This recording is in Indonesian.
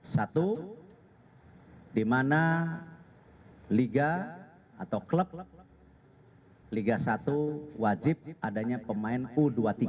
satu di mana liga atau klub liga satu wajib adanya pemain u dua puluh tiga